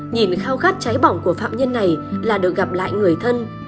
nhìn khao khát cháy bỏng của phạm nhân này là được gặp lại người thân